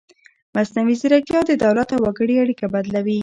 مصنوعي ځیرکتیا د دولت او وګړي اړیکه بدلوي.